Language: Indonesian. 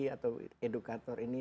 atau edukator ini